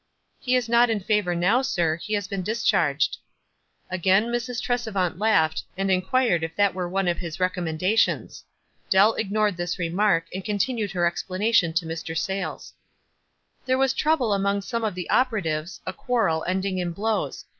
"He is not in favor now, sir; he has been discharged." Again Mrs. Tresevant laughed, and inquired if that were one of his recommendations. Dell ignored this remark, and continued her expla nation to Mr. Sayles. " There was trouble among some of the oper atives, a quarrel, ending in blows.